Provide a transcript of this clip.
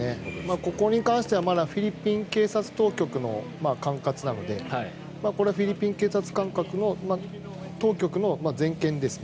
ここに関してはまだフィリピン警察当局の管轄なのでこれ、フィリピン警察当局の全権ですね。